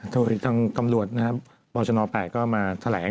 โดยทั้งกำลัวบัวชน๘ก็มาแถลง